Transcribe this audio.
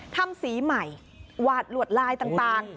ทำสีแบบใหม่วาดรวดลายต่าง